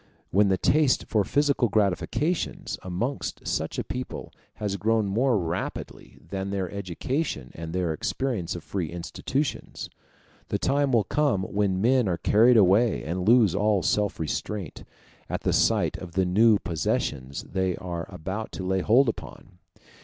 When the taste for physical gratifications amongst such a people has grown more rapidly than their education and their experience of free institutions, the time will come when men are carried away, and lose all self restraint, at the sight of the new possessions they are about to lay hold upon.